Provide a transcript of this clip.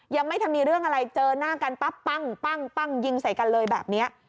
ยังไม่ทันมีเรื่องอะไรเจอหน้ากันปั๊บปั้งยิงใส่กันเลยแบบนี้